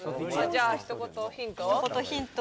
じゃあ一言ヒント？